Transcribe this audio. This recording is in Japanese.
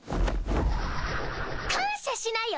感謝しなよ？